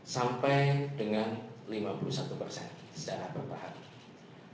sampai dengan lima puluh satu persen secara bertahap